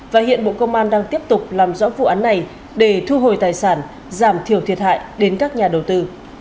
và hiện bộ công an đang tiếp tục làm rõ vụ án này để thu hồi tài sản giảm thiểu thiệt hại đến các nhà đầu tư